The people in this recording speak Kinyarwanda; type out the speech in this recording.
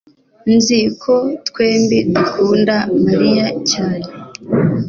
nzi ko twembi dukunda mariya cyane